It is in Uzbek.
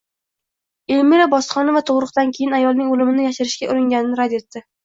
Elmira Bositxonova tug‘uruqdan keyin ayolning o‘limini yashirishga uringanini rad etdi